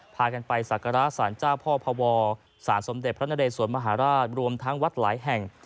พากันไปศักระสารเจ้าพ่อพวสารสมเด็จพระนเรสวนมหาราชรวมทั้งวัดหลายแห่ง